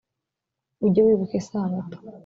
ujye wibuka isabato